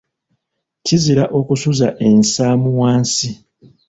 Kizira okusuza ensaamu wansi.